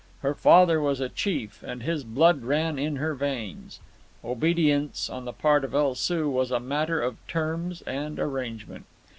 Her father was a chief, and his blood ran in her veins. Obedience, on the part of El Soo, was a matter of terms and arrangement.